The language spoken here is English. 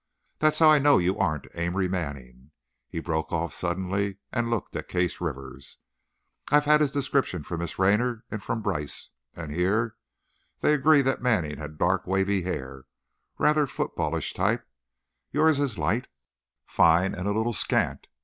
That's how I know you aren't Amory Manning," he broke off suddenly and looked at Case Rivers. "I've had his description from Miss Raynor and from Brice, here, and they agree that Manning had dark, heavy hair, rather footballish type. Yours is light, fine, and a little scant.